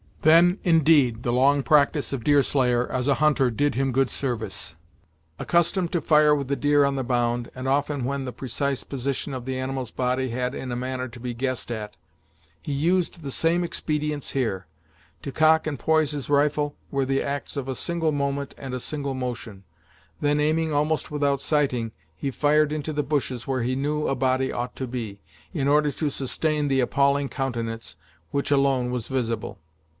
Then, indeed, the long practice of Deerslayer, as a hunter did him good service. Accustomed to fire with the deer on the bound, and often when the precise position of the animal's body had in a manner to be guessed at, he used the same expedients here. To cock and poise his rifle were the acts of a single moment and a single motion: then aiming almost without sighting, he fired into the bushes where he knew a body ought to be, in order to sustain the appalling countenance which alone was visible.